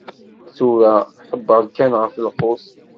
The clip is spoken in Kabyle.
Tura ḥebbeṛ kan ɣef lqut.